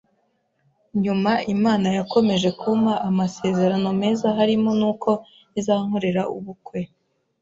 nyuma Imana yakomeje kumpa amasezerano meza harimo n’uko izankorera ubukwe